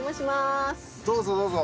どうぞどうぞ。